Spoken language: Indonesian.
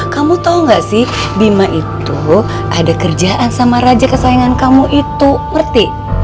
kamu tau gak sih bima itu ada kerjaan sama raja kesayangan kamu itu merti